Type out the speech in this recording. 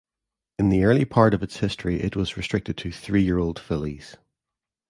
In the early part of its history it was restricted to three-year-old fillies.